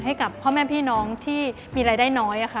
ให้กับพ่อแม่พี่น้องที่มีรายได้น้อยค่ะ